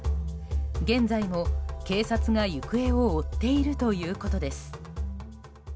現在も警察が行方を追っているということです。